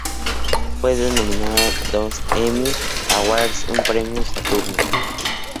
Fue nominada a dos Emmy Awards y un Premio Saturno.